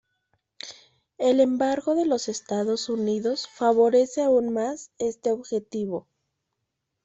El embargo de los Estados Unidos favorece aún más este objetivo.